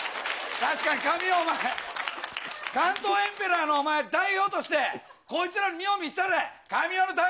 確かに神尾、お前、関東エンペラーの代表として、こいつらに見本見せたら。